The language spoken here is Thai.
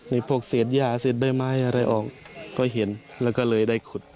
มีพวกเศษย่าเศษใบไม้อะไรออกก็เห็นแล้วก็เลยได้ขุด